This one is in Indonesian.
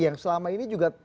yang selama ini juga